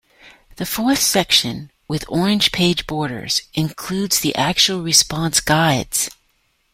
The fourth section, with orange page borders, includes the actual response guides.